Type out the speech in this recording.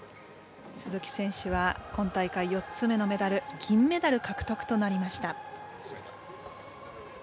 鈴木選手は今大会、４つ目のメダル銀メダル獲得となりました。